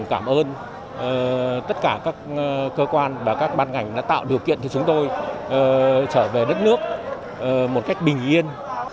các cơ quan và các ban ngành đã tạo điều kiện cho chúng tôi trở về nước nước một cách bình yên